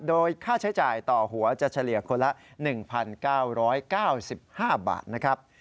โดยค่าใช้จ่ายต่อหัวจะเฉลี่ยคนละ๑๙๙๕บาทนะครับ